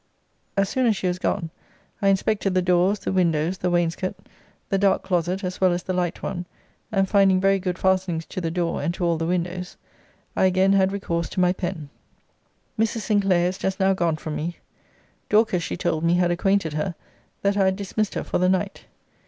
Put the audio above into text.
As soon as she was gone, I inspected the doors, the windows, the wainscot, the dark closet as well as the light one; and finding very good fastenings to the door, and to all the windows, I again had recourse to my pen. Mrs. Sinclair is just now gone from me. Dorcas, she told me, had acquainted her, that I had dismissed her for the night.